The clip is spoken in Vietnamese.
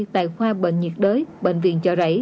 tại khoa bệnh nhiệt đới bệnh viện chợ rẫy